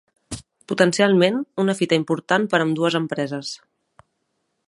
Potencialment, una fita important per a ambdues empreses.